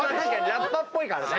ラッパっぽいからね。